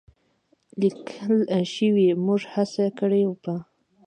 لیکل شوې، موږ هڅه کړې په